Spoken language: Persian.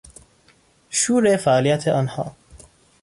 شور فعالیت آنها